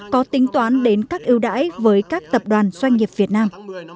có tính toán đến các ưu đãi với các tập đoàn doanh nghiệp việt nam